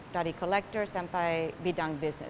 dari kolektor sampai bidang bisnis